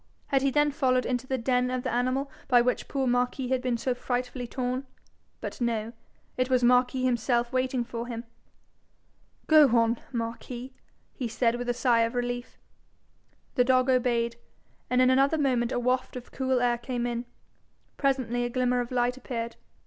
Had he then followed into the den of the animal by which poor Marquis had been so frightfully torn? But no: it was Marquis himself waiting for him! 'Go on, Marquis,' he said, with a sigh of relief. The dog obeyed, and in another moment a waft of cool air came in. Presently a glimmer of light appeared.